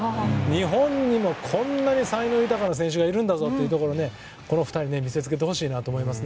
日本にもこんなに才能豊かな選手がいるんだぞってことをこの２人見せつけてほしいと思います。